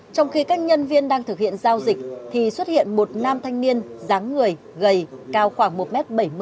trong khi các nhân viên đang thực hiện giao dịch thì xuất hiện một nam thanh niên dáng người gầy cao khoảng một m bảy mươi